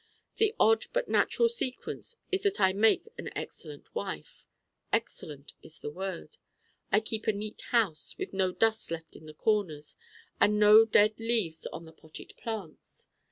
The odd but natural sequence is that I make an excellent wife. Excellent is the word. I keep a neat house with no dust left in the corners and no dead leaves on the potted plants.